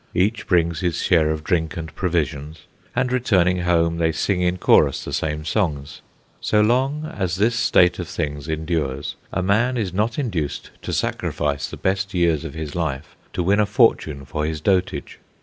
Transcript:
Each brings his share of drink and provisions, and returning home they sing in chorus the same songs. So long as this state of things endures, a man is not induced to sacrifice the best years of his life to win a fortune for his dotage.